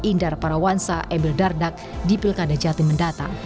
indar parawansa emil dardak di pilkada jatimendata